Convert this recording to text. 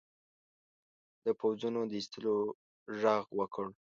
د پوځونو د ایستلو ږغ وکړ.